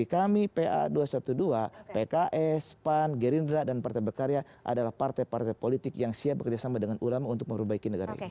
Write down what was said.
kami pa dua ratus dua belas pks pan gerindra dan partai berkarya adalah partai partai politik yang siap bekerjasama dengan ulama untuk memperbaiki negara ini